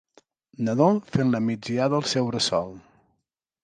Nadó fent la migdiada al seu bressol.